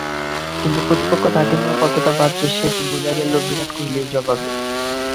কিন্তু প্রতিপক্ষ তাঁকে নিয়ে কতটা ভাবছে, সেটি বোঝা গেল বিরাট কোহলির জবাবে।